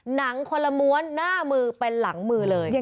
หนังคนละม้วนหน้ามือเป็นหลังมือเลย